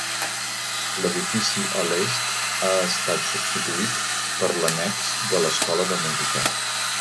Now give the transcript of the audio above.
L'edifici a l'est ha estat substituït per l'annex de l'escola de música.